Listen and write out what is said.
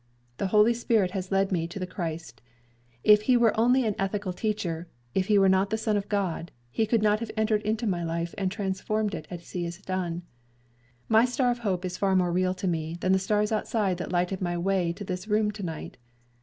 The Holy Spirit has led me to the Christ. If he were only an ethical teacher, if he were not the Son of God, he could not have entered into my life, and transformed it as he has done. My star of hope is far more real to me than the stars outside that lighted my way to this room to night.